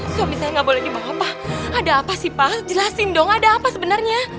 sampai jumpa di video selanjutnya